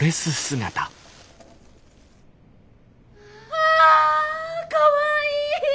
はあかわいい！